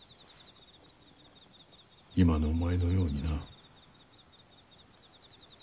今のお前のようにな。